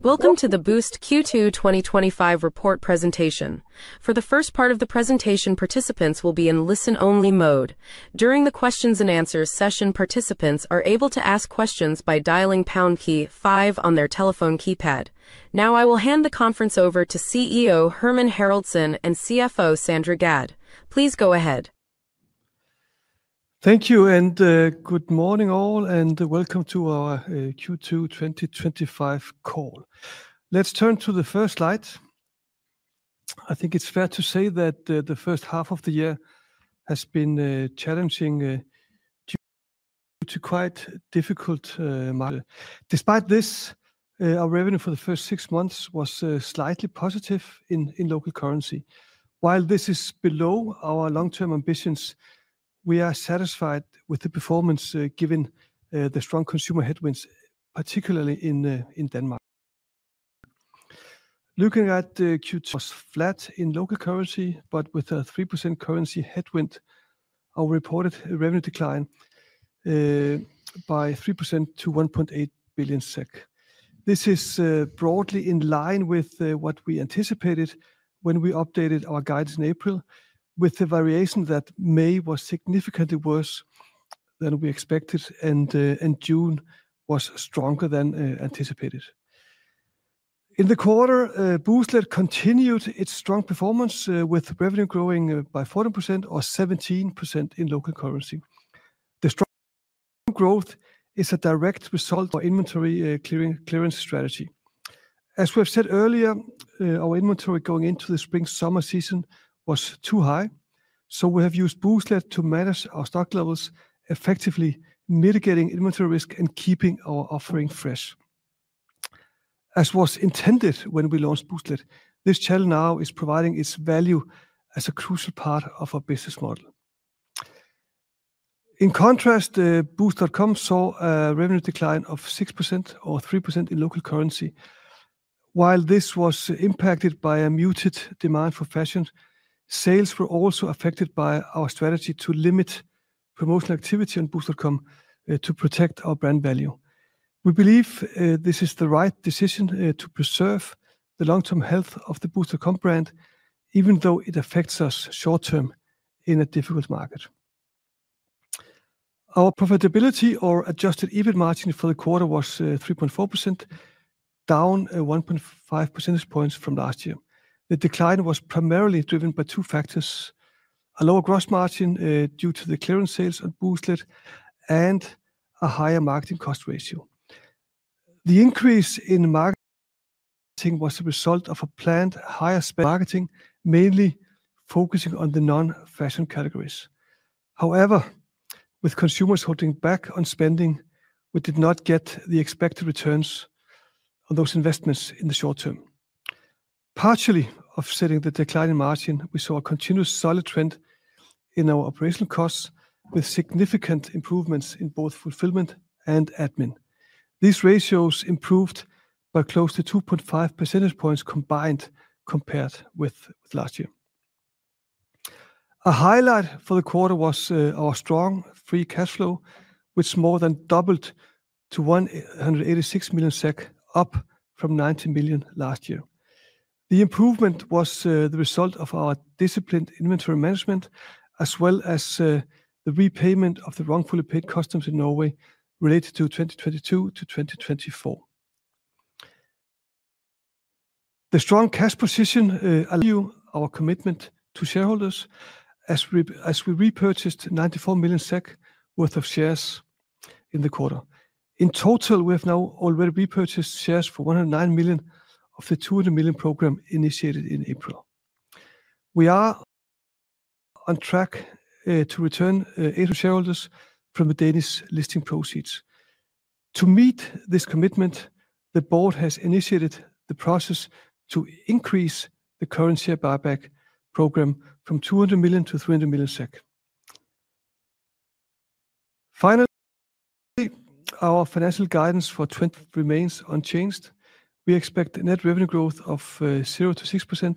Welcome to the Boozt Q2 2025 Report Presentation. For the first part of the presentation, participants will be in listen-only mode. During the questions and answers session, participants are able to ask questions by dialing pound key five on their telephone keypad. Now, I will hand the conference over to CEO Hermann Haraldsson and CFO Sandra Gadd. Please go ahead. Thank you, and good morning all, and welcome to our Q2 2025 Call. Let's turn to the first slide. I think it's fair to say that the first half of the year has been challenging due to quite difficult markets. Despite this, our revenue for the first six months was slightly positive in local currency. While this is below our long-term ambitions, we are satisfied with the performance given the strong consumer headwinds, particularly in Denmark. Looking at Q2, it was flat in local currency, but with a 3% currency headwind, our reported revenue declined by 3% to 1.8 billion SEK. This is broadly in line with what we anticipated when we updated our guidance in April, with the variation that May was significantly worse than we expected, and June was stronger than anticipated. In the quarter, Booztlet continued its strong performance with revenue growing by 14% or 17% in local currency. The strong growth is a direct result of our inventory clearance strategy. As we have said earlier, our inventory going into the spring-summer season was too high, so we have used Booztlet to manage our stock levels, effectively mitigating inventory risk and keeping our offering fresh. As was intended when we launched Booztlet, this channel now is providing its value as a crucial part of our business model. In contrast, Boozt.com saw a revenue decline of 6% or 3% in local currency. While this was impacted by a muted demand for fashion, sales were also affected by our strategy to limit promotional activity on Boozt.com to protect our brand value. We believe this is the right decision to preserve the long-term health of the Boozt.com brand, even though it affects us short-term in a difficult market. Our profitability or adjusted EBIT margin for the quarter was 3.4%, down 1.5 percentage points from last year. The decline was primarily driven by two factors: a lower gross margin due to the clearance sales on Booztlet.com and a higher marketing cost ratio. The increase in marketing was the result of a planned higher spend on marketing, mainly focusing on the non-fashion categories. However, with consumers holding back on spending, we did not get the expected returns on those investments in the short term. Partially offsetting the decline in margin, we saw a continuous solid trend in our operational costs, with significant improvements in both fulfillment and admin. These ratios improved by close to 2.5 percentage points combined compared with last year. A highlight for the quarter was our strong free cash flow, which more than doubled to 186 million SEK, up from 90 million last year. The improvement was the result of our disciplined inventory management, as well as the repayment of the wrongfully paid customs in Norway related to 2022-2024. The strong cash position allows our commitment to shareholders, as we repurchased 94 million SEK worth of shares in the quarter. In total, we have now already repurchased shares for 109 million of the 200 million program initiated in April. We are on track to return to shareholders from the Danish listing proceeds. To meet this commitment, the Board has initiated the process to increase the current share buyback program from 200 million-300 million SEK. Finally, our financial guidance remains unchanged. We expect net revenue growth of 0%-6%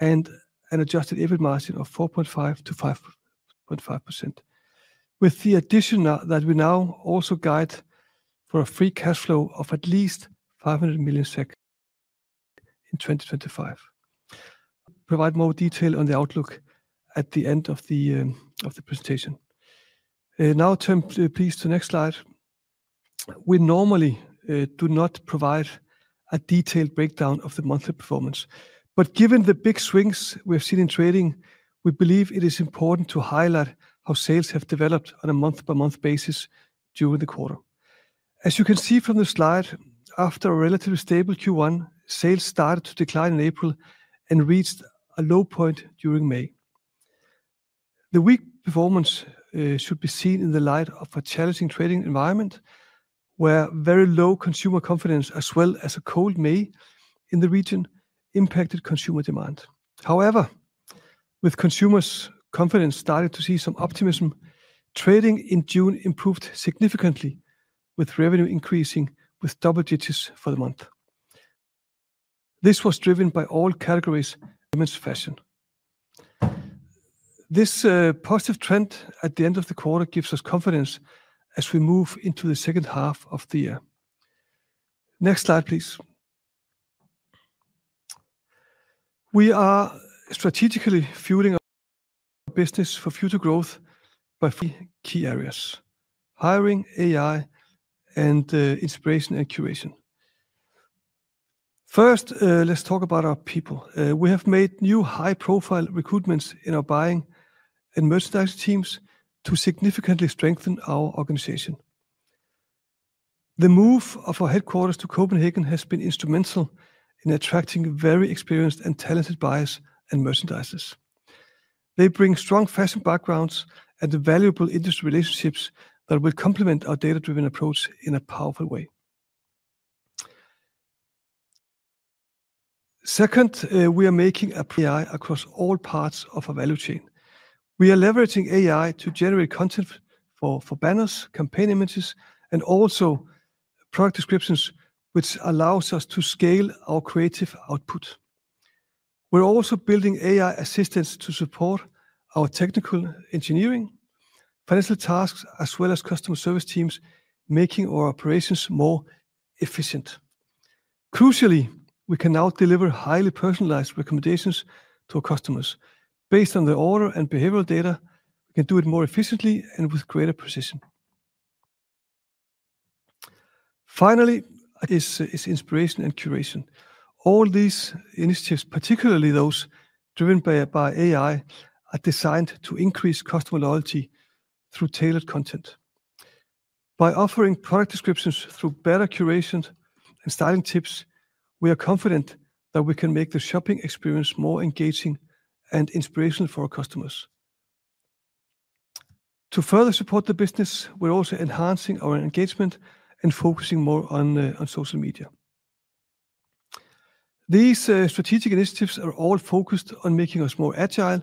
and an adjusted EBIT margin of 4.5%-5.5%, with the addition that we now also guide for a free cash flow of at least 500 million SEK in 2025. Provide more detail on the outlook at the end of the presentation. Now, please to the next slide. We normally do not provide a detailed breakdown of the monthly performance, but given the big swings we have seen in trading, we believe it is important to highlight how sales have developed on a month-by-month basis during the quarter. As you can see from the slide, after a relatively stable Q1, sales started to decline in April and reached a low point during May. The weak performance should be seen in the light of a challenging trading environment, where very low consumer confidence, as well as a cold May in the region, impacted consumer demand. However, with consumers' confidence starting to see some optimism, trading in June improved significantly, with revenue increasing with double-digits for the month. This was driven by all categories: women's fashion. This positive trend at the end of the quarter gives us confidence as we move into the second half of the year. Next slide, please. We are strategically fueling our business for future growth by three key areas: Hiring; AI, and Inspiration and Curation. First, let's talk about our people. We have made new high-profile recruitments in our buying and merchandise teams to significantly strengthen our organization. The move of our headquarters to Copenhagen has been instrumental in attracting very experienced and talented buyers and merchandisers. They bring strong fashion backgrounds and valuable industry relationships that will complement our data-driven approach in a powerful way. Second, we are making AI across all parts of our value chain. We are leveraging AI to generate content for banners, campaign images, and also product descriptions, which allows us to scale our creative output. We're also building AI assistants to support our technical engineering, financial tasks, as well as customer service teams, making our operations more efficient. Crucially, we can now deliver highly personalized recommendations to our customers based on the order and behavioral data, and do it more efficiently and with greater precision. Finally, is inspiration and curation. All these initiatives, particularly those driven by AI, are designed to increase customer loyalty through tailored content. By offering product descriptions through better curation and styling tips, we are confident that we can make the shopping experience more engaging and inspirational for our customers. To further support the business, we're also enhancing our engagement and focusing more on social media. These strategic initiatives are all focused on making us more agile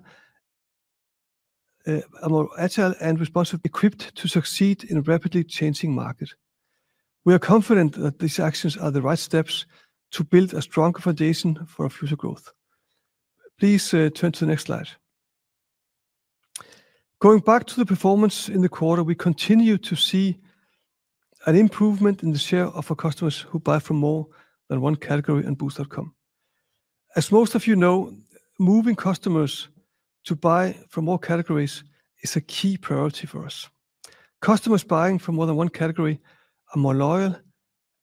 and responsible, equipped to succeed in a rapidly changing market. We are confident that these actions are the right steps to build a stronger foundation for our future growth. Please turn to the next slide. Going back to the performance in the quarter, we continue to see an improvement in the share of our customers who buy from more than one category on Boozt.com. As most of you know, moving customers to buy from more categories is a key priority for us. Customers buying from more than one category are more loyal,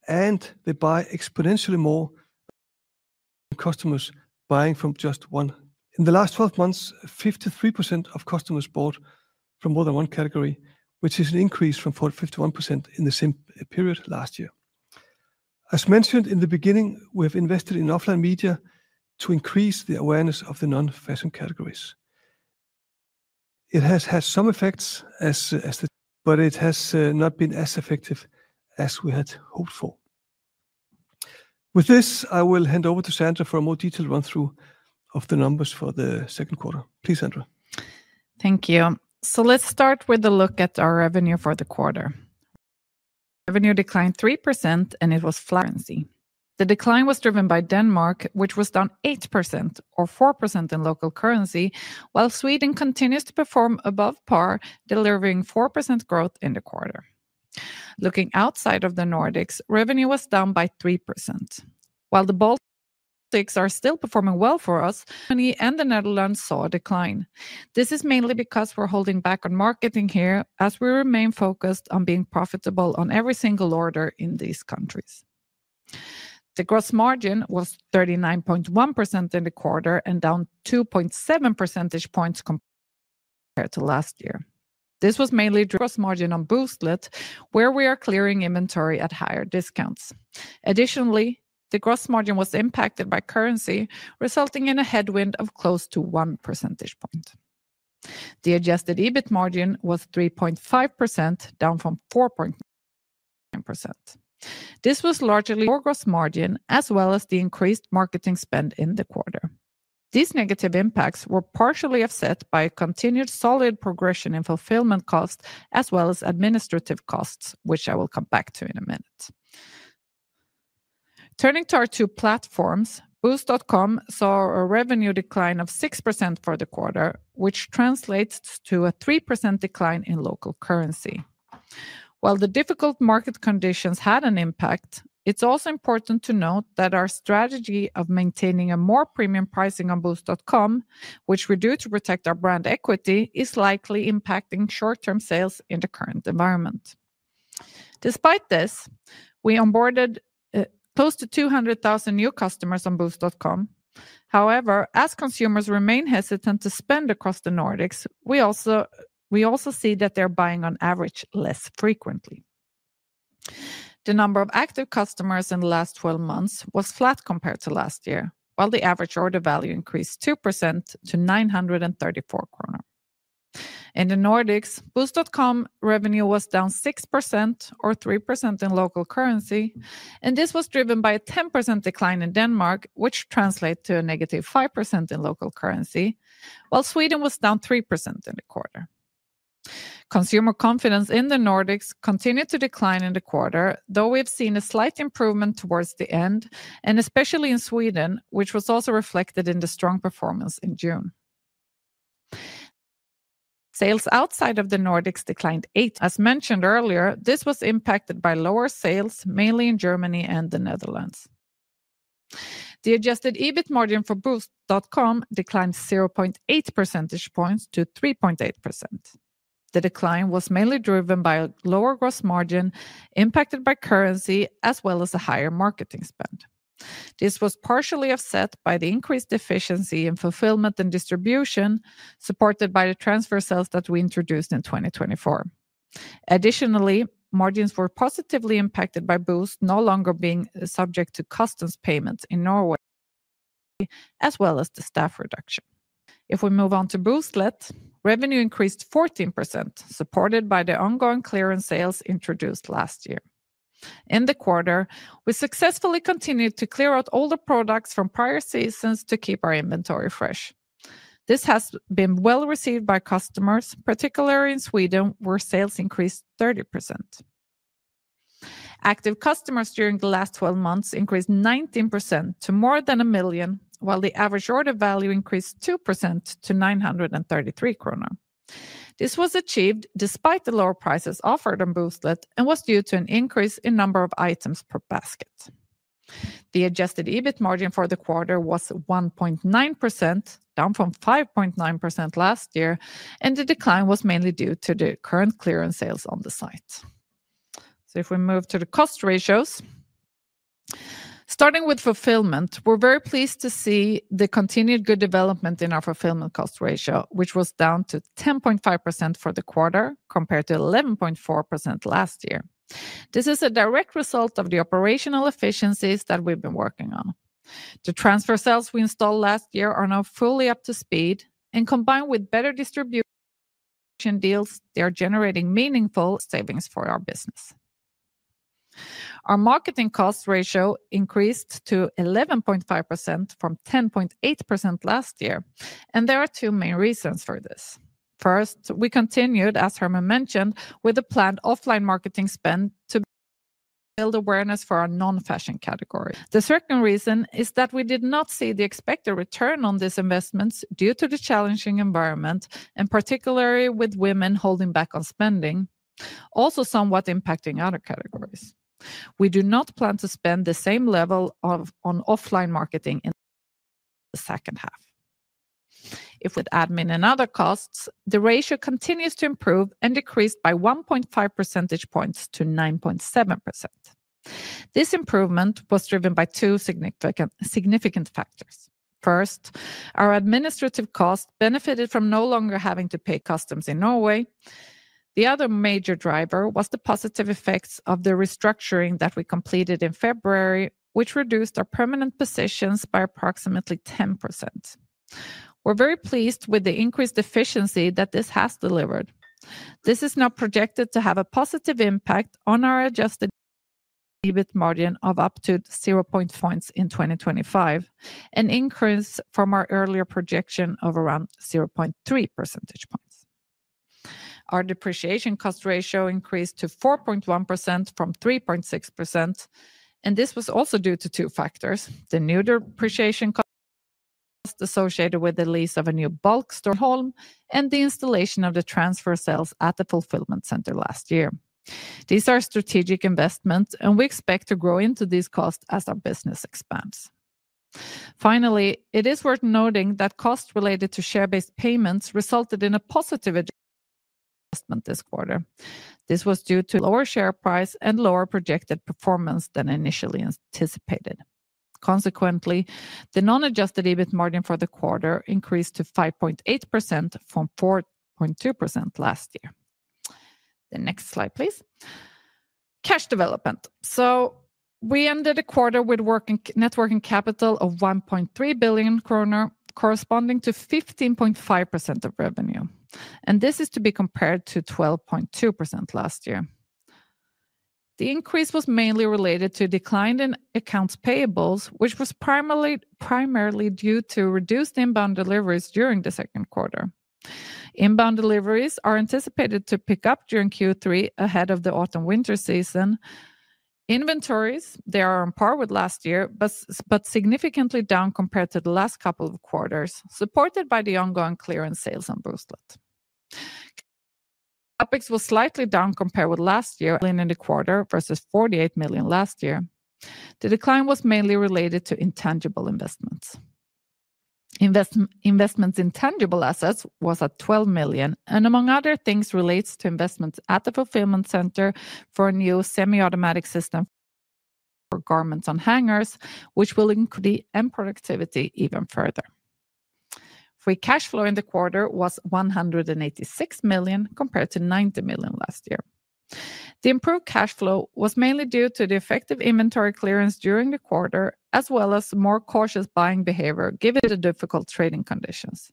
and they buy exponentially more than customers buying from just one. In the last 12 months, 53% of customers bought from more than one category, which is an increase from 51% in the same period last year. As mentioned in the beginning, we have invested in offline media to increase the awareness of the non-fashion categories. It has had some effects, but it has not been as effective as we had hoped for. With this, I will hand over to Sandra for a more detailed run-through of the numbers for the second quarter. Please, Sandra. Thank you. Let's start with a look at our revenue for the quarter. Revenue declined 3%, and it was flat in currency. The decline was driven by Denmark, which was down 8% or 4% in local currency, while Sweden continues to perform above par, delivering 4% growth in the quarter. Looking outside of the Nordics, revenue was down by 3%. While the Baltics are still performing well for us, Germany and the Netherlands saw a decline. This is mainly because we're holding back on marketing here, as we remain focused on being profitable on every single order in these countries. The gross margin was 39.1% in the quarter and down 2.7 percentage points compared to last year. This was mainly the gross margin on Booztlet, where we are clearing inventory at higher discounts. Additionally, the gross margin was impacted by currency, resulting in a headwind of close to 1 percentage point. The adjusted EBIT margin was 3.5%, down from 4.9%. This was largely our gross margin, as well as the increased marketing spend in the quarter. These negative impacts were partially offset by a continued solid progression in fulfillment costs, as well as administrative costs, which I will come back to in a minute. Turning to our two platforms, Boozt.com saw a revenue decline of 6% for the quarter, which translates to a 3% decline in local currency. While the difficult market conditions had an impact, it's also important to note that our strategy of maintaining a more premium pricing on Boozt.com, which we do to protect our brand equity, is likely impacting short-term sales in the current environment. Despite this, we onboarded close to 200,000 new customers on Boozt.com. However, as consumers remain hesitant to spend across the Nordics, we also see that they're buying on average less frequently. The number of active customers in the last 12 months was flat compared to last year, while the average order value increased 2% to 934 kronor. In the Nordics, Boozt.com revenue was down 6% or 3% in local currency, and this was driven by a 10% decline in Denmark, which translates to a -5% in local currency, while Sweden was down 3% in the quarter. Consumer confidence in the Nordics continued to decline in the quarter, though we've seen a slight improvement towards the end, and especially in Sweden, which was also reflected in the strong performance in June. Sales outside of the Nordics declined 8%. As mentioned earlier, this was impacted by lower sales, mainly in Germany and the Netherlands. The adjusted EBIT margin for Boozt.com declined 0.8 percentage points-3.8%. The decline was mainly driven by a lower gross margin impacted by currency, as well as a higher marketing spend. This was partially offset by the increased efficiency in fulfillment and distribution, supported by the transfer sales that we introduced in 2024. Additionally, margins were positively impacted by Boozt no longer being subject to customs payments in Norway, as well as the staff reduction. If we move on to Booztlet, revenue increased 14%, supported by the ongoing clearance sales introduced last year. In the quarter, we successfully continued to clear out older products from prior seasons to keep our inventory fresh. This has been well received by customers, particularly in Sweden, where sales increased 30%. Active customers during the last 12 months increased 19% to more than a million, while the average order value increased 2% to 933 kronor. This was achieved despite the lower prices offered on Booztlet and was due to an increase in the number of items per basket. The adjusted EBIT margin for the quarter was 1.9%, down from 5.9% last year, and the decline was mainly due to the current clearance sales on the site. If we move to the cost ratios, starting with fulfillment, we're very pleased to see the continued good development in our fulfillment cost ratio, which was down to 10.5% for the quarter compared to 11.4% last year. This is a direct result of the operational efficiencies that we've been working on. The transfer sales we installed last year are now fully up to speed, and combined with better distribution deals, they are generating meaningful savings for our business. Our marketing cost ratio increased to 11.5% from 10.8% last year, and there are two main reasons for this. First, we continued, as Hermann mentioned, with the planned offline marketing spend to build awareness for our non-fashion category. The second reason is that we did not see the expected return on these investments due to the challenging environment, and particularly with women holding back on spending, also somewhat impacting other categories. We do not plan to spend the same level on offline marketing in the second half. If we add in other costs, the ratio continues to improve and decrease by 1.5 percentage points-9.7%. This improvement was driven by two significant factors. First, our administrative costs benefited from no longer having to pay customs in Norway. The other major driver was the positive effects of the restructuring that we completed in February, which reduced our permanent positions by approximately 10%. We're very pleased with the increased efficiency that this has delivered. This is now projected to have a positive impact on our adjusted EBIT margin of up to 0.5 percentage points in 2025, an increase from our earlier projection of around 0.3 percentage points. Our depreciation cost ratio increased to 4.1% from 3.6%, and this was also due to two factors: the new depreciation cost associated with the lease of a new bulk store home and the installation of the transfer sales at the fulfillment center last year. These are strategic investments, and we expect to grow into these costs as our business expands. Finally, it is worth noting that costs related to share-based payments resulted in a positive investment this quarter. This was due to lower share price and lower projected performance than initially anticipated. Consequently, the non-adjusted EBIT margin for the quarter increased to 5.8% from 4.2% last year. The next slide, please. Cash development. We ended the quarter with net working capital of 1.3 billion kronor, corresponding to 15.5% of revenue, and this is to be compared to 12.2% last year. The increase was mainly related to a decline in accounts payables, which was primarily due to reduced inbound deliveries during the second quarter. Inbound deliveries are anticipated to pick up during Q3 ahead of the autumn-winter season. Inventories are on par with last year, but significantly down compared to the last couple of quarters, supported by the ongoing clearance sales on Booztlet. CapEx was slightly down compared with last year in the quarter versus 48 million last year. The decline was mainly related to intangible investments. Investment in tangible assets was at 12 million, and among other things, relates to investments at the fulfillment center for a new semi-automatic system for garments on hangers, which will increase productivity even further. Free cash flow in the quarter was 186 million compared to 90 million last year. The improved cash flow was mainly due to the effective inventory clearance during the quarter, as well as more cautious buying behavior given the difficult trading conditions.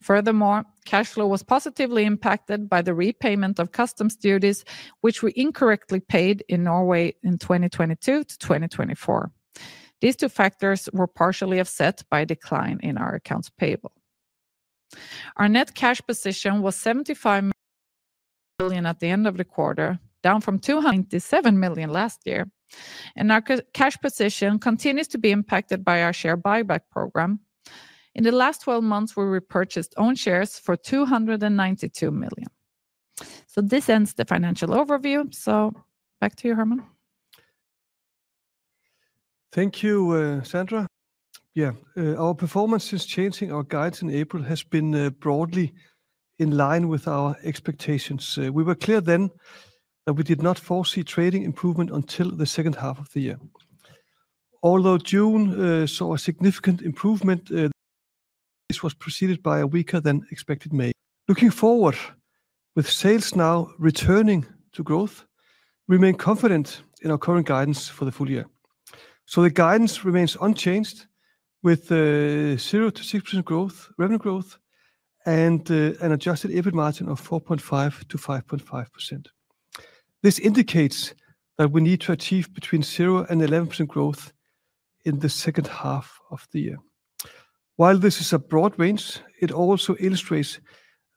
Furthermore, cash flow was positively impacted by the repayment of customs duties, which we incorrectly paid in Norway in 2022-2024. These two factors were partially offset by a decline in our accounts payable. Our net cash position was 75 million at the end of the quarter, down from 297 million last year, and our cash position continues to be impacted by our share buyback program. In the last 12 months, we repurchased own shares for 292 million. This ends the financial overview. Back to you, Hermann. Thank you, Sandra. Yeah, our performance is changing. Our guidance in April has been broadly in line with our expectations. We were clear then that we did not foresee trading improvement until the second half of the year. Although June saw a significant improvement, this was preceded by a weaker than expected May. Looking forward, with sales now returning to growth, we remain confident in our current guidance for the full year. The guidance remains unchanged with 0%-6% revenue growth and an adjusted EBIT margin of 4.5%-5.5%. This indicates that we need to achieve between 0% and 11% growth in the second half of the year. While this is a broad range, it also illustrates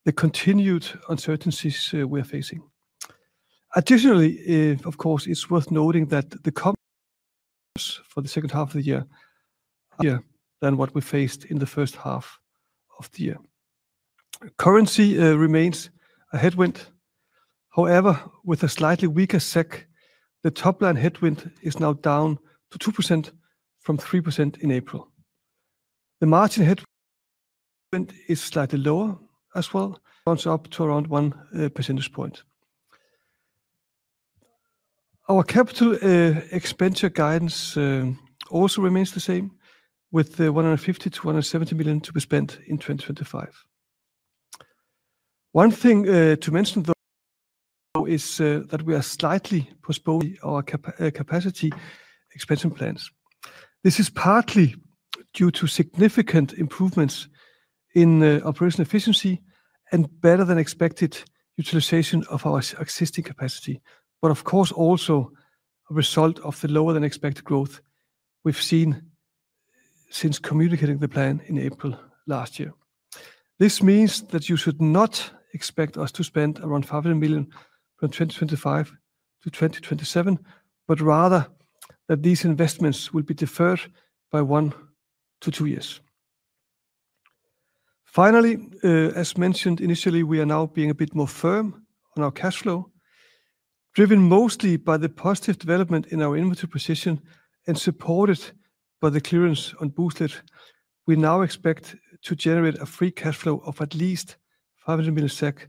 the continued uncertainties we are facing. Additionally, of course, it's worth noting that the comps for the second half of the year are higher than what we faced in the first half of the year. Currency remains a headwind. However, with a slightly weaker SEK, the top line headwind is now down to 2% from 3% in April. The margin headwind is slightly lower as well, going up to around 1 percentage point. Our capital expenditure guidance also remains the same, with 150 million-170 million to be spent in 2025. One thing to mention though is that we are slightly postponing our capacity expansion plans. This is partly due to significant improvements in operational efficiency and better than expected utilization of our existing capacity, but of course also a result of the lower than expected growth we've seen since communicating the plan in April last year. This means that you should not expect us to spend around 500 million from 2025 to 2027, but rather that these investments will be deferred by one to two years. Finally, as mentioned initially, we are now being a bit more firm on our cash flow, driven mostly by the positive development in our inventory position and supported by the clearance on Booztlet. We now expect to generate a free cash flow of at least 500 million SEK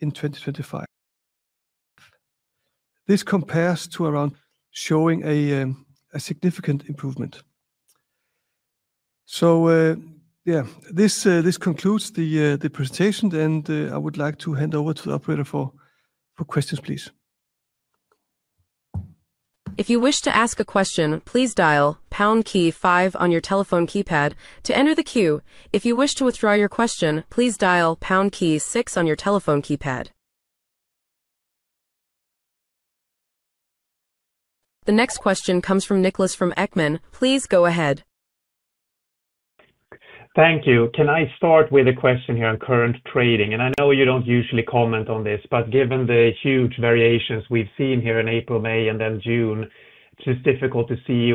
in 2025. This compares to around showing a significant improvement. Yeah, this concludes the presentation, and I would like to hand over to the operator for questions, please. If you wish to ask a question, please dial pound key 5 on your telephone keypad to enter the queue. If you wish to withdraw your question, please dial pound key 6 on your telephone keypad. The next question comes from Niklas from Ekman. Please go ahead. Thank you. Can I start with a question here on current trading? I know you don't usually comment on this, but given the huge variations we've seen here in April, May, and then June, it's just difficult to see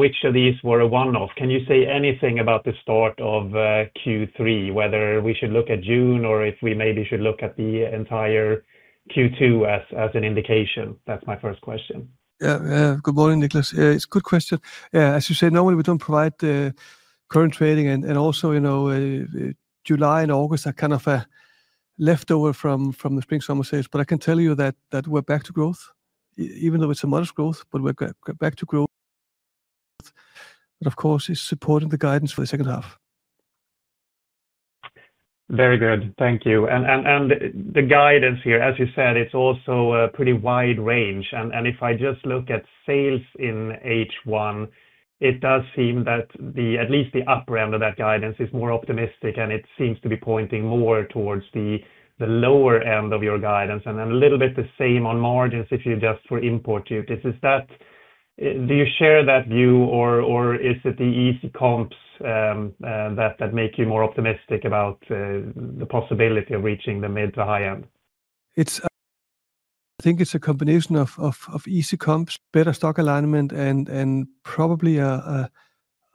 which of these were a one-off. Can you say anything about the start of Q3, whether we should look at June or if we maybe should look at the entire Q2 as an indication? That's my first question. Good morning, Niklas. It's a good question. As you said, normally we don't provide current trading, and also you know July and August are kind of leftover from the spring-summer sales, but I can tell you that we're back to growth, even though it's a modest growth, we're back to growth. Of course, it's supporting the guidance for the second half. Very good. Thank you. The guidance here, as you said, is also a pretty wide range. If I just look at sales in H1, it does seem that at least the upper end of that guidance is more optimistic, and it seems to be pointing more towards the lower end of your guidance. A little bit the same on margins if you just were import duty. Do you share that view, or is it the easy comps that make you more optimistic about the possibility of reaching the mid to high end? I think it's a combination of easy comps, better stock alignment, and probably a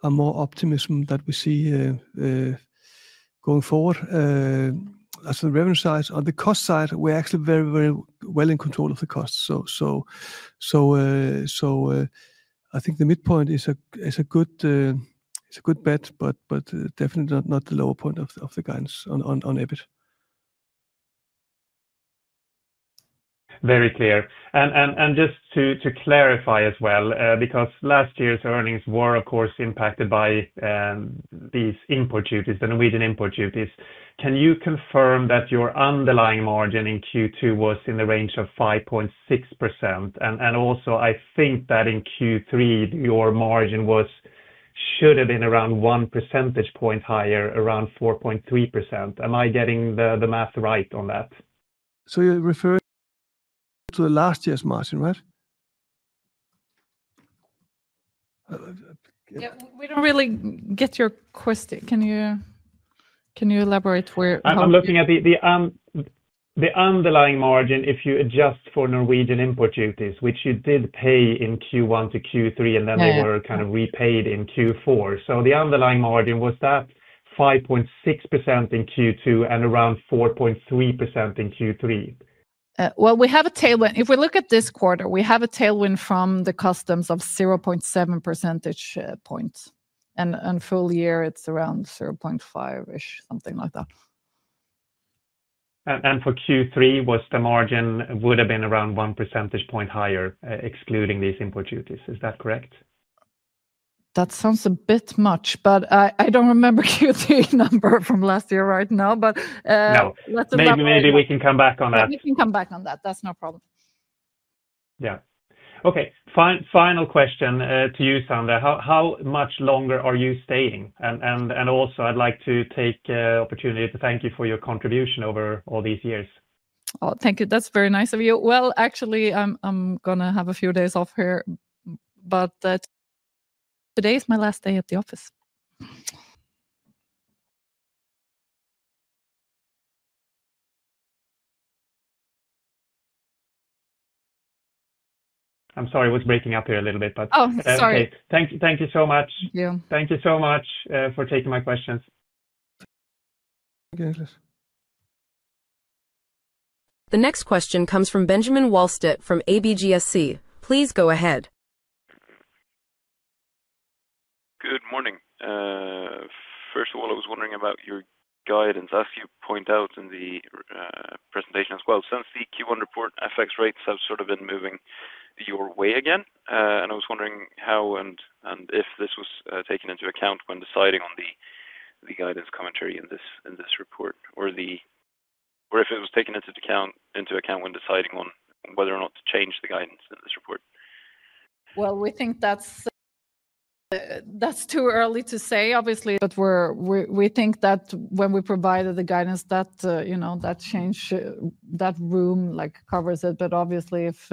more optimism that we see going forward. That's the revenue side. On the cost side, we're actually very, very well in control of the cost. I think the midpoint is a good bet, but definitely not the lower point of the guidance on EBIT. Very clear. Just to clarify as well, because last year's earnings were, of course, impacted by these import duties, the Norwegian import duties. Can you confirm that your underlying margin in Q2 was in the range of 5.6%? Also, I think that in Q3, your margin should have been around one percentage point higher, around 4.3%. Am I getting the math right on that? You're referring to last year's margin, right? Yeah, we don't really get your question. Can you elaborate where? I'm looking at the underlying margin if you adjust for Norwegian import duties, which you did pay in Q1-Q3, and then they were kind of repaid in Q4. The underlying margin was at 5.6% in Q2 and around 4.3% in Q3. If we look at this quarter, we have a tailwind from the customs of 0.7 percentage points. For the full year, it's around 0.5%, something like that. For Q3, the margin would have been around 1% higher, excluding these import duties. Is that correct? That sounds a bit much, but I don't remember Q3 number from last year right now. Maybe we can come back on that. We can come back on that. That's no problem. Okay. Final question to you, Sandra. How much longer are you staying? I'd like to take the opportunity to thank you for your contribution over all these years. Oh, thank you. That's very nice of you. Actually, I'm going to have a few days off here, but today is my last day at the office. I'm sorry, I was breaking up here a little bit. Oh, sorry. Thank you so much. Thank you. Thank you so much for taking my questions. Thank you, Nicholas. The next question comes from Benjamin Wahlstedt from ABGSC. Please go ahead. Good morning. First of all, I was wondering about your guidance. As you point out in the presentation as well, since the Q1 report, FX rates have sort of been moving your way again. I was wondering how and if this was taken into account when deciding on the guidance commentary in this report, or if it was taken into account when deciding on whether or not to change the guidance in this report. We think that's too early to say, obviously, but we think that when we provided the guidance, that change, that room covers it. Obviously, if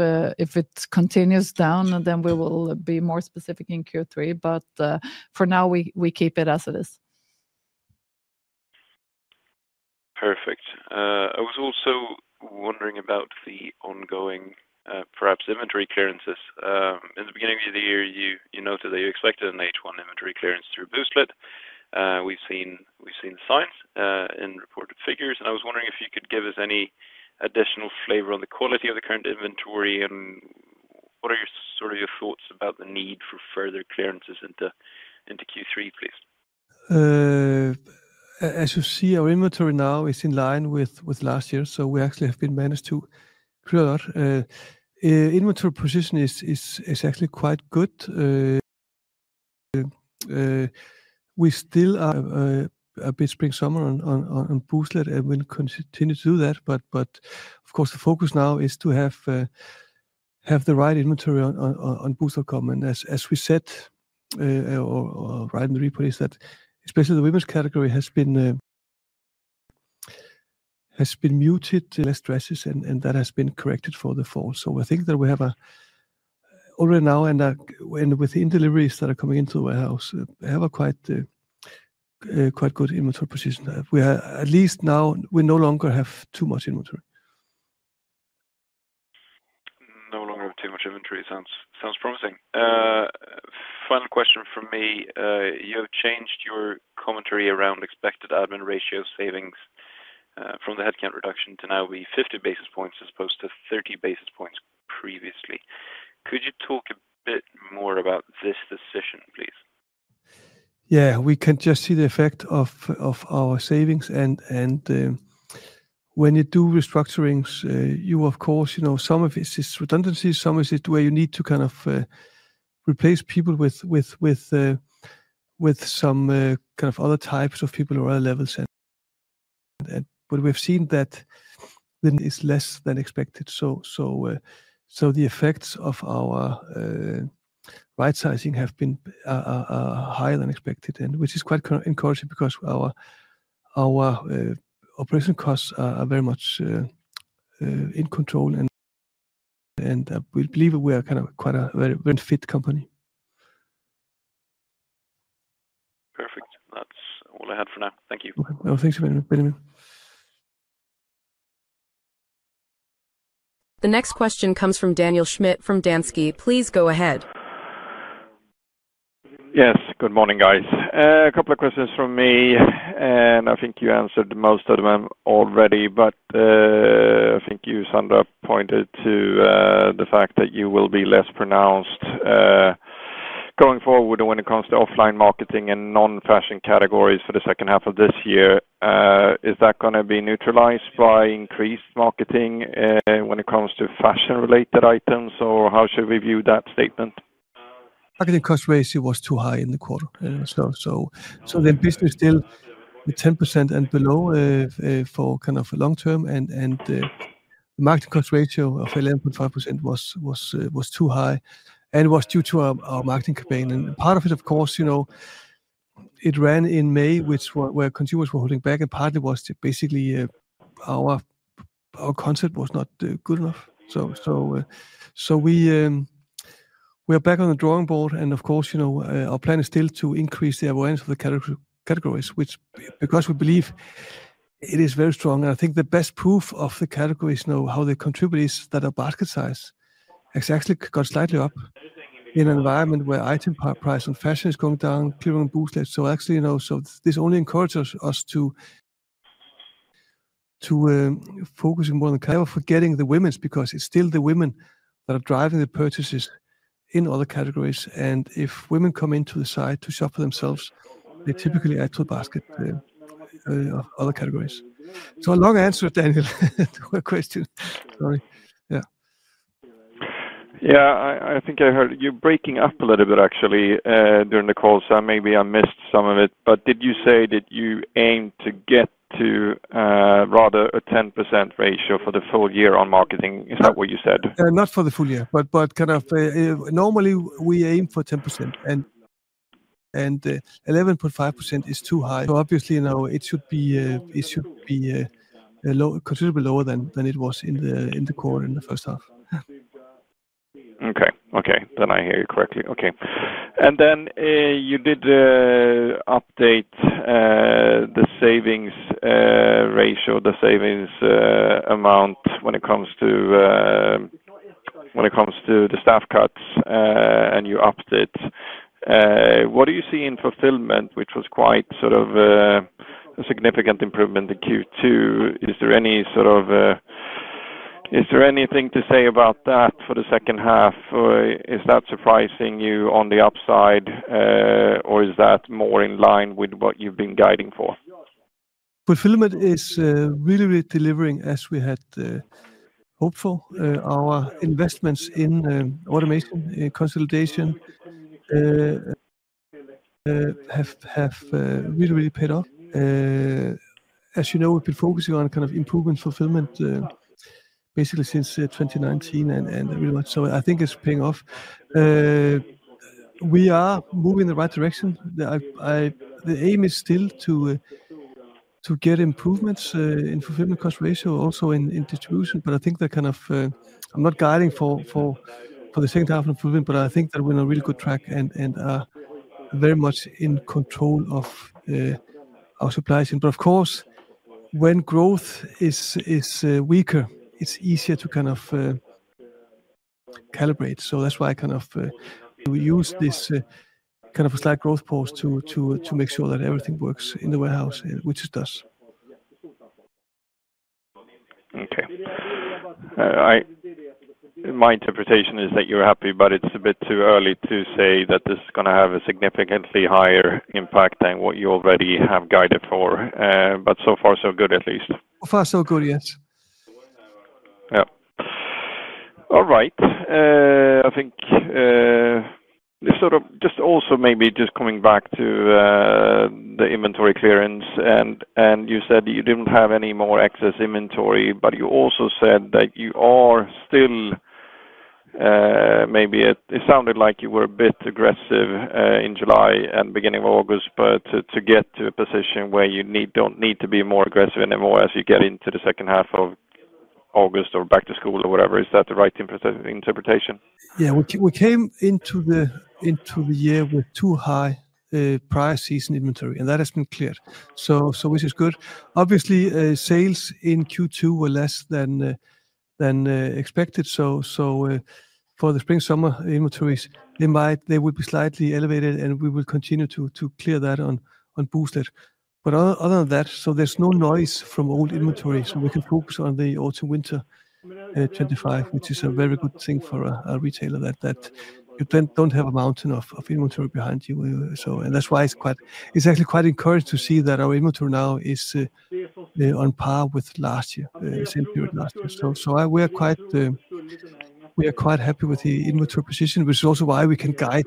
it continues down, then we will be more specific in Q3. For now, we keep it as it is. Perfect. I was also wondering about the ongoing, perhaps, inventory clearances. In the beginning of the year, you noted that you expected an H1 inventory clearance through Booztlet. We've seen the signs and reported figures, and I was wondering if you could give us any additional flavor on the quality of the current inventory and what are your sort of your thoughts about the need for further clearances into Q3, please? As you see, our inventory now is in line with last year, so we actually have managed to clear that. Inventory position is actually quite good. We still are a bit spring-summer on Booztlet, and we'll continue to do that. Of course, the focus now is to have the right inventory on Boozt.com. As we said, right in the replace, that especially the women's category has been muted. Less dresses, and that has been corrected for the fall. I think that we have already now, and within deliveries that are coming into the warehouse, we have a quite good inventory position. We are at least now, we no longer have too much inventory. No longer have too much inventory sounds promising. Final question from me. You have changed your commentary around expected admin ratio savings from the headcount reduction to now be 50 basis points as opposed to 30 basis points previously. Could you talk a bit more about this decision, please? We can just see the effect of our savings. When you do restructurings, you know some of it is redundancy, some of it is where you need to kind of replace people with some kind of other types of people who are level set. We've seen that the effect is less than expected. The effects of our right sizing have been higher than expected, which is quite encouraging because our operational costs are very much in control. We believe we are kind of quite a very fit company. Perfect. That's all I had for now. Thank you. No, thanks very much, Benjamin. The next question comes from Daniel Schmidt from Danske. Please go ahead. Yes, good morning, guys. A couple of questions from me, and I think you answered most of them already, but I think you, Sandra, pointed to the fact that you will be less pronounced going forward when it comes to offline marketing and non-fashion categories for the second half of this year. Is that going to be neutralized by increased marketing when it comes to fashion-related items, or how should we view that statement? Marketing cost ratio was too high in the quarter. The business is still with 10% and below for kind of a long term, and the marketing cost ratio of 11.5% was too high, and it was due to our marketing campaign. Part of it, of course, you know, it ran in May, where consumers were holding back, and part of it was basically our concept was not good enough. We are back on the drawing board, and of course, our plan is still to increase the awareness of the categories, because we believe it is very strong. I think the best proof of the categories, you know, how they contribute, is that our basket size has actually gone slightly up in an environment where item price on fashion is going down, clearing on Booztlet. Actually, this only encourages us to focus more on the categories. We're forgetting the women's because it's still the women that are driving the purchases in all the categories. If women come into the site to shop for themselves, they typically add to the basket of other categories. A long answer, Daniel, to a question. Sorry. Yeah. I think I heard you breaking up a little bit during the call, so maybe I missed some of it. Did you say that you aim to get to a 10% ratio for the full year on marketing? Is that what you said? Not for the full year, but kind of normally we aim for 10%, and 11.5% is too high. Obviously, now it should be considerably lower than it was in the quarter in the first half. Okay. You did update the savings ratio, the savings amount when it comes to the staff cuts, and you upped it. What do you see in fulfillment, which was quite a significant improvement in Q2? Is there anything to say about that for the second half? Is that surprising you on the upside, or is that more in line with what you've been guiding for? Fulfillment is really, really delivering as we had hoped for. Our investments in automation consolidation have really, really paid off. As you know, we've been focusing on improvements in fulfillment basically since 2019, and really much. I think it's paying off. We are moving in the right direction. The aim is still to get improvements in fulfillment cost ratio, also in distribution. I think that I'm not guiding for the second half of fulfillment, but I think that we're on a really good track and are very much in control of our supply chain. Of course, when growth is weaker, it's easier to calibrate. That's why we use this slight growth pause to make sure that everything works in the warehouse, which it does. Okay. My interpretation is that you're happy, but it's a bit too early to say that this is going to have a significantly higher impact than what you already have guided for. So far, so good, at least. So far, so good, yes. All right. I think this sort of just also maybe just coming back to the inventory clearance, and you said that you didn't have any more excess inventory, but you also said that you are still maybe it sounded like you were a bit aggressive in July and beginning of August, to get to a position where you don't need to be more aggressive anymore as you get into the second half of August or back to school or whatever. Is that the right interpretation? We came into the year with too high prior season inventory, and that has been cleared. This is good. Obviously, sales in Q2 were less than expected. For the spring-summer inventories, they might be slightly elevated, and we will continue to clear that on Booztlet. Other than that, there's no noise from old inventory, so we can focus on the autumn-winter 2025, which is a very good thing for a retailer that you don't have a mountain of inventory behind you. That's why it's actually quite encouraging to see that our inventory now is on par with the same period last year. We are quite happy with the inventory position, which is also why we can guide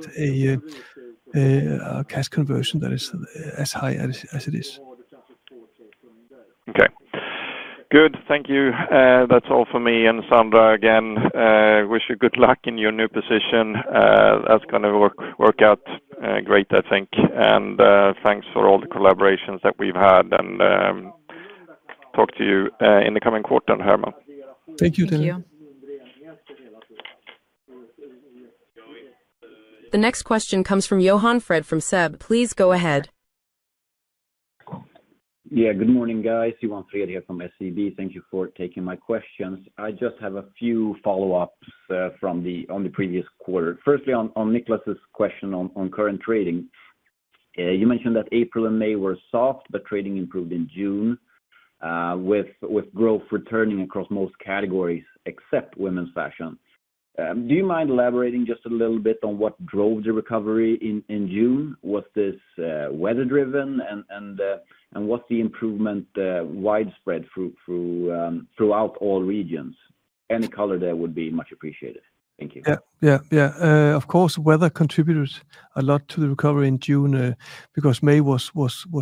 a cash conversion that is as high as it is. Okay. Good. Thank you. That's all for me. Sandra, again, wish you good luck in your new position. That's going to work out great, I think. Thanks for all the collaborations that we've had, and talk to you in the coming quarter, Hermann. Thank you, Daniel. The next question comes from Johann Fred from SEB. Please go ahead. Good morning, guys. Johann Fred here from SEB. Thank you for taking my questions. I just have a few follow-ups from the previous quarter. Firstly, on Niklas' question on current trading, you mentioned that April and May were soft, but trading improved in June with growth returning across most categories except women's fashion. Do you mind elaborating just a little bit on what drove the recovery in June? Was this weather-driven? Was the improvement widespread throughout all regions? Any color there would be much appreciated. Thank you. Of course, weather contributed a lot to the recovery in June because May was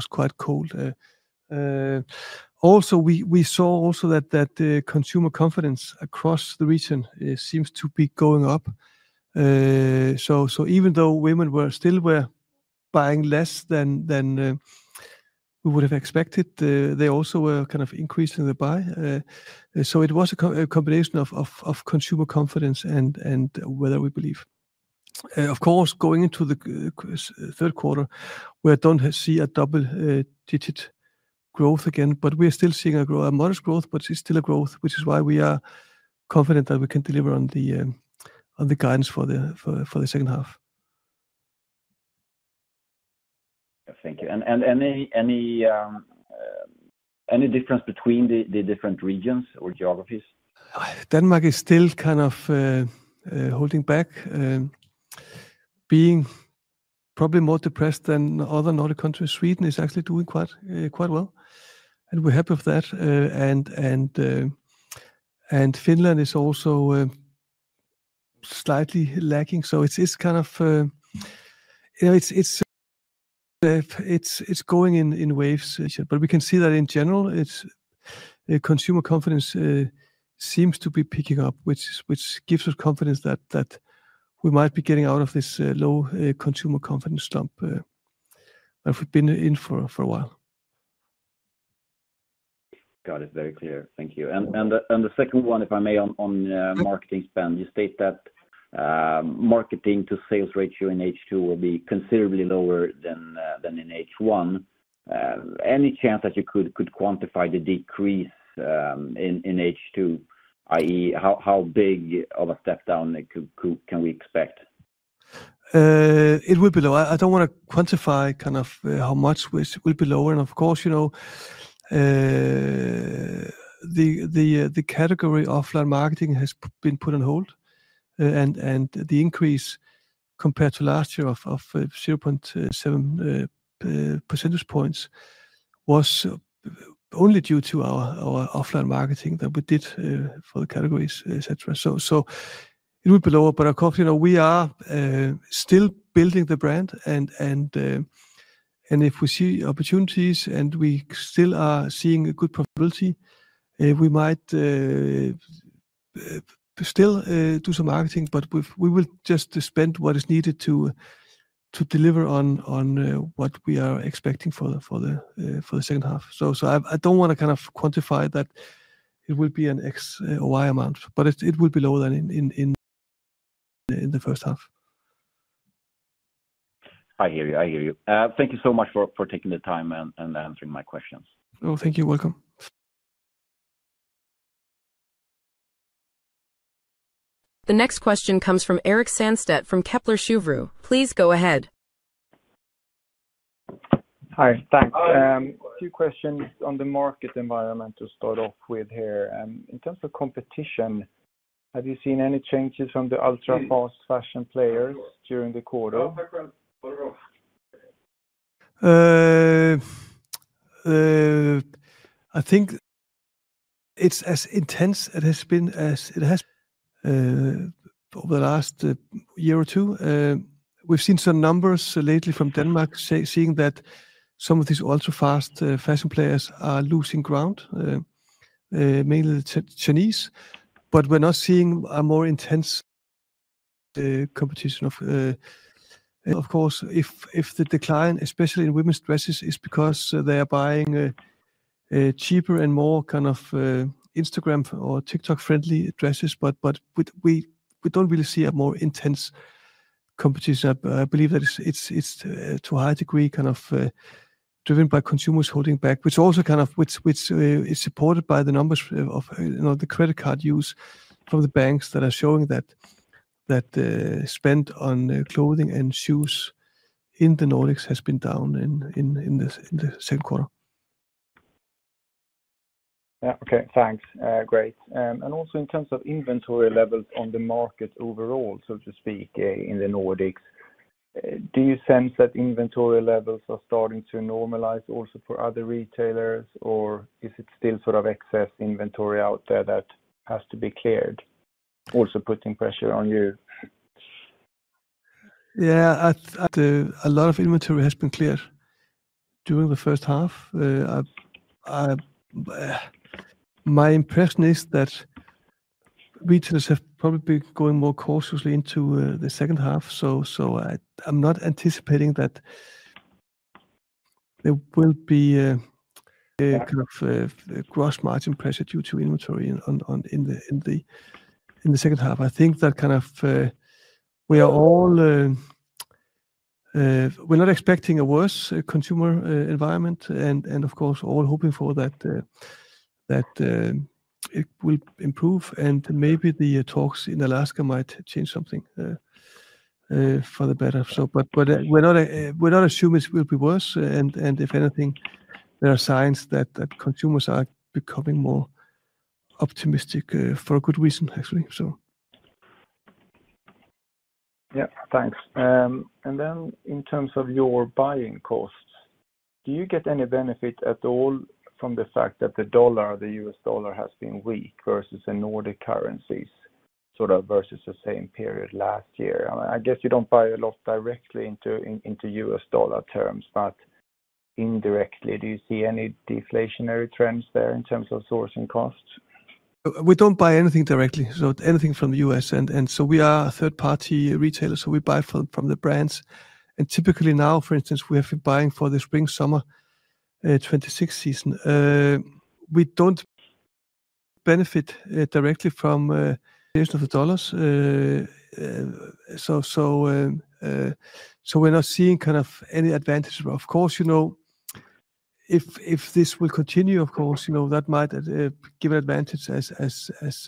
quite cold. Also, we saw that consumer confidence across the region seems to be going up. Even though women were still buying less than we would have expected, they also were kind of increasing the buy. It was a combination of consumer confidence and weather, we believe. Of course, going into the third quarter, we don't see a double-digit growth again, but we are still seeing a growth. A modest growth, but it's still a growth, which is why we are confident that we can deliver on the guidance for the second half. Thank you. Is there any difference between the different regions or geographies? Denmark is still kind of holding back, being probably more depressed than other Nordic countries. Sweden is actually doing quite well, and we're happy with that. Finland is also slightly lacking. It is kind of, yeah, it's going in waves. We can see that in general, consumer confidence seems to be picking up, which gives us confidence that we might be getting out of this low consumer confidence dump that we've been in for a while. Got it. Very clear. Thank you. The second one, if I may, on marketing spend, you state that marketing to sales ratio in H2 will be considerably lower than in H1. Any chance that you could quantify the decrease in H2, i.e., how big of a step down can we expect? It would be low. I don't want to quantify kind of how much, but it would be lower. Of course, you know the category offline marketing has been put on hold. The increase compared to last year of 0.7% was only due to our offline marketing that we did for the categories, etc. It would be lower. Of course, you know we are still building the brand. If we see opportunities and we still are seeing a good probability, we might still do some marketing, but we will just spend what is needed to deliver on what we are expecting for the second half. I don't want to kind of quantify that it will be an X or Y amount, but it will be lower than in the first half. I hear you. Thank you so much for taking the time and answering my questions. Oh, thank you. You're welcome. The next question comes from Eric Sandstedt from Kepler Cheuvreux. Please go ahead. Hi, thanks. A few questions on the market environment to start off with here. In terms of competition, have you seen any changes from the ultra-fast fashion players during the quarter? I think it's as intense as it has been over the last year or two. We've seen some numbers lately from Denmark saying that some of these ultra-fast fashion players are losing ground, mainly the Chinese. We're not seeing a more intense competition. Of course, if the decline, especially in women's dresses, is because they are buying cheaper and more kind of Instagram or TikTok-friendly dresses, we don't really see a more intense competition. I believe that it's to a high degree kind of driven by consumers holding back, which also is supported by the numbers of the credit card use from the banks that are showing that spend on clothing and shoes in the Nordics has been down in the same quarter. Okay. Thanks. Great. Also, in terms of inventory levels on the market overall, so to speak, in the Nordics, do you sense that inventory levels are starting to normalize also for other retailers, or is it still sort of excess inventory out there that has to be cleared, also putting pressure on you? Yeah, a lot of inventory has been cleared during the first half. My impression is that retailers have probably been going more cautiously into the second half. I'm not anticipating that there will be a kind of gross margin pressure due to inventory in the second half. I think that we are all not expecting a worse consumer environment, and of course, we're all hoping that it will improve. Maybe the talks in Alaska might change something for the better. We're not assuming it will be worse. If anything, there are signs that consumers are becoming more optimistic for a good reason, actually. Thank you. In terms of your buying costs, do you get any benefit at all from the fact that the U.S. dollar has been weak versus the Nordic currencies, versus the same period last year? I guess you don't buy a lot directly into U.S. dollar terms, but indirectly, do you see any deflationary trends there in terms of sourcing costs? We don't buy anything directly, so anything from the U.S. We are a third-party retailer, so we buy from the brands. Typically now, for instance, we have been buying for the spring-summer 2026 season. We don't benefit directly from the nation of the dollars. We're not seeing any advantage. Of course, if this will continue, that might give an advantage as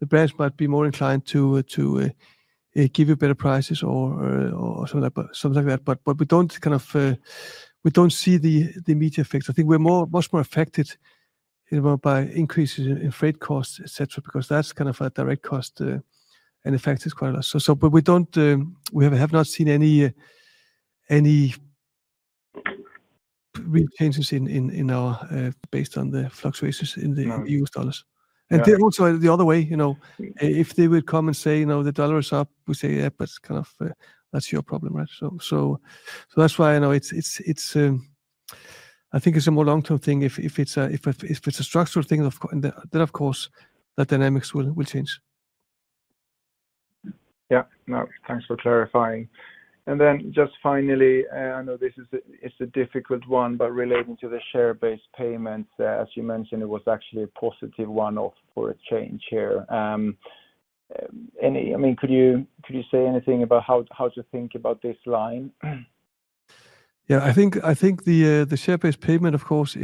the brands might be more inclined to give you better prices or something like that. We don't see the immediate effects. I think we're much more affected by increases in freight costs, etc., because that's a direct cost and affects us quite a lot. We have not seen any real changes based on the fluctuations in the U.S. dollars. Also, the other way, if they would come and say, "You know the dollar is up," we say, "Yeah, but that's your problem," right? I think it's a more long-term thing. If it's a structural thing, then the dynamics will change. Thanks for clarifying. Finally, I know this is a difficult one, but relating to the share-based payments, as you mentioned, it was actually a positive one-off for a change here. Could you say anything about how to think about this line? I think the share-based payment, of course,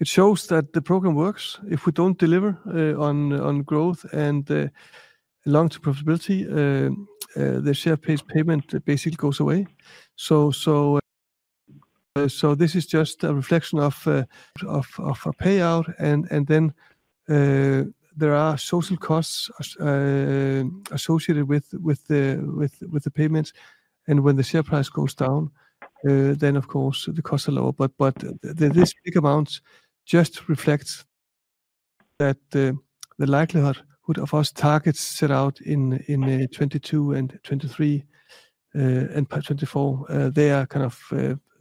it shows that the program works. If we don't deliver on growth and long-term profitability, the share-based payment basically goes away. This is just a reflection of a payout. There are social costs associated with the payments. When the share price goes down, the costs are lower. This big amount just reflects that the likelihood of us targets set out in 2022 and 2023 and 2024, they are kind of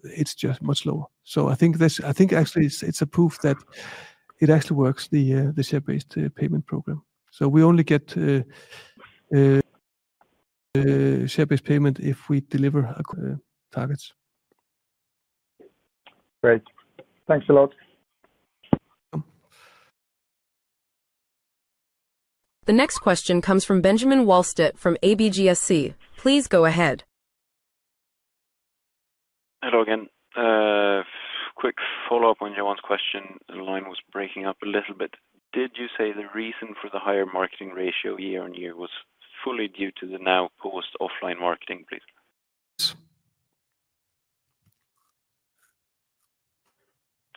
it's just much lower. I think actually it's a proof that it actually works, the share-based payment program. We only get share-based payment if we deliver targets. Great, thanks a lot. Welcome. The next question comes from Benjamin Wahlstedt from ABGSC. Please go ahead. Hello again. Quick follow-up on Johann's question. The line was breaking up a little bit. Did you say the reason for the higher marketing ratio year on year was fully due to the now post-offline marketing? Please.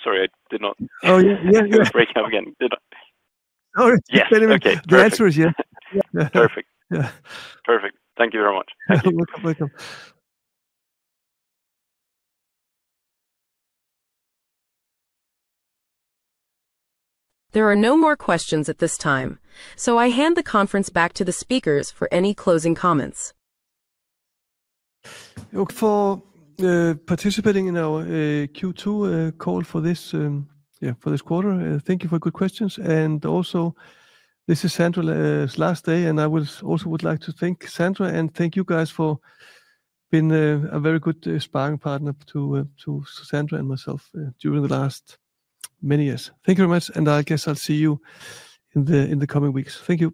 Sorry, I did not. Yeah, yeah, yeah. It was breaking up again. All right. Okay. The answer is yeah. Perfect. Thank you very much. Thank you. Welcome. There are no more questions at this time. I hand the conference back to the speakers for any closing comments. We hope for participating in our Q2 call for this quarter. Thank you for good questions. This is Sandra's last day, and I also would like to thank Sandra. Thank you guys for being a very good sparring partner to Sandra and myself during the last many years. Thank you very much. I guess I'll see you in the coming weeks. Thank you.